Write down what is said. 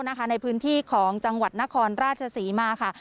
ในพื้นที่ของจังหวัดนครราชศรีมาค่ะ